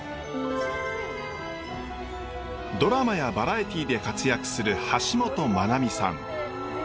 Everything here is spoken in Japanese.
ドラマやバラエティーで活躍する橋本マナミさん。